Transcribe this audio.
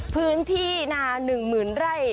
พื้นที่หน้าหนึ่งหมื่นไร่